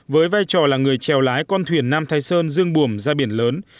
với vai trò là người trèo lái con thuyền nam thái sơn dương bùm ra biển lớn